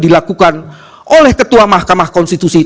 dilakukan oleh ketua mahkamah konstitusi